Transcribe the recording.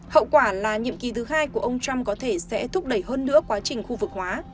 hậu quả là nhiệm kỳ thứ hai của ông trump có thể sẽ thúc đẩy hơn nữa quá trình khu vực hóa